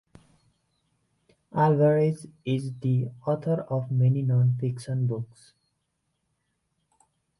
Alvarez is the author of many non-fiction books.